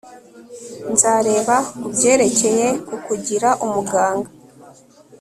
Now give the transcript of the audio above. nzareba kubyerekeye kukugira umuganga